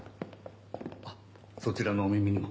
あっそちらのお耳にも？